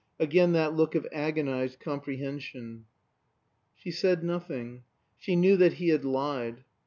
Again that look of agonized comprehension! She said nothing. She knew that he had lied.